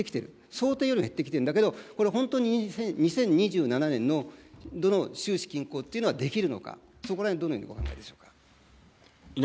想定よりも減ってきているんだけど、これ、本当に２０２７年度の収支均衡っていうのはできるのか、そこらへん、どのようにお考えでしょうか。